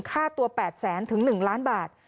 ค่าตัว๘แสนถึง๑ล้านบาท